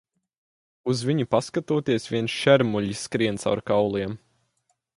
Uz viņu paskatoties vien šermuļi skrien caur kauliem.